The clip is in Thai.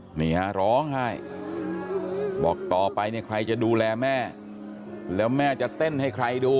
นี่ฮะร้องไห้บอกต่อไปเนี่ยใครจะดูแลแม่แล้วแม่จะเต้นให้ใครดู